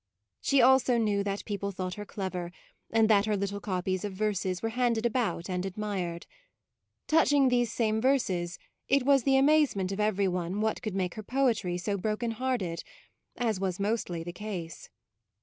She also knew that people thought her clever, and that her little copies of verses were handed about and admired. Touching these same verses, it was the amazement of every one what could make her poetry so broken hearted, as was mostly the case.